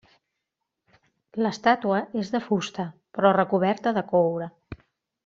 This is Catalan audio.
L'estàtua és de fusta però recoberta de coure.